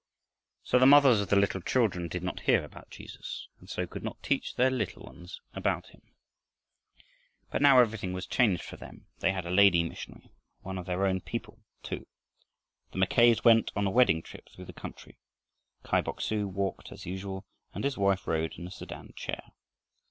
So the mothers of the little children did not hear about Jesus and so could not teach their little ones about him. But now everything was changed for them. They had a lady missionary, and one of their own people too. The Mackays went on a wedding trip through the country. Kai Bok su walked, as usual, and his wife rode in a sedan chair.